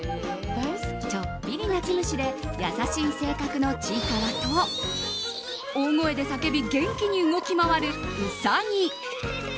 ちょっぴり泣き虫で優しい性格のちいかわと大声で叫び元気に動き回るうさぎ。